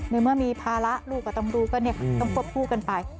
ในเมื่อมีภาระลูกก็ต้องรู้ก็ต้องควบคู่กันไป